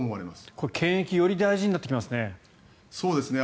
これ検疫より大事になってきますね。